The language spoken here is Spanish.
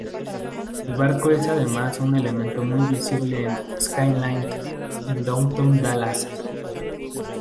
Este arco es además un elemento muy visible en el "skyline" de Downtown Dallas.